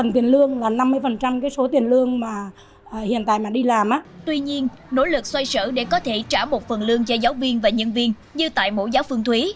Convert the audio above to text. tuy nhiên nỗ lực xoay sở để có thể trả một phần lương cho giáo viên và nhân viên như tại mẫu giáo phương thúy